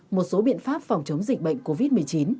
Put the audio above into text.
một số biện pháp phòng chống dịch bệnh covid một mươi chín